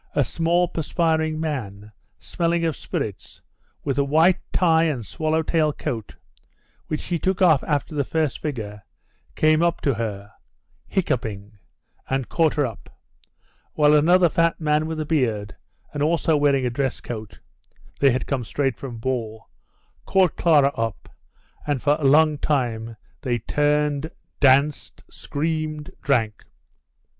A small, perspiring man, smelling of spirits, with a white tie and swallow tail coat, which he took off after the first figure, came up to her, hiccoughing, and caught her up, while another fat man, with a beard, and also wearing a dress coat (they had come straight from a ball) caught Clara up, and for a long time they turned, danced, screamed, drank.